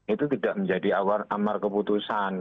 itu tidak menjadi amar keputusan